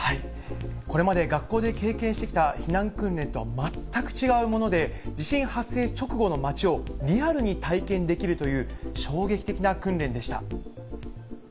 これまで学校で経験してきた避難訓練とは全く違うもので、地震発生直後の街をリアルに体験できるという衝撃的な訓練でした。